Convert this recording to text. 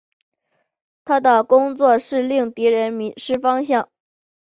他的工作是令敌人迷失方向。